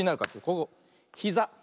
ここひざ。